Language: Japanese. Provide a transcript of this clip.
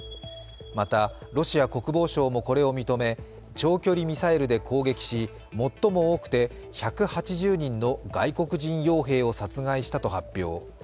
またロシア国防省もこれを認め長距離ミサイルで攻撃し最も多くて１８０人の外国人よう兵を殺害したと発表。